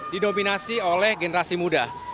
dinominasi oleh generasi muda